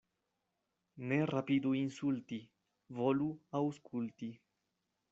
Ne rapidu insulti, volu aŭskulti.